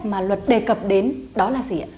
mà luật đề cập đến đó là gì ạ